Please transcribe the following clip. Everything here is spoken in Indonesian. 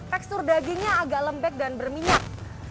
tekstur dagingnya agak lembek dan berminyak